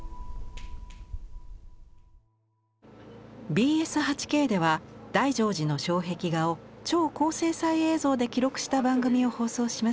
ＢＳ８Ｋでは大乗寺の障壁画を超高精細映像で記録した番組を放送します。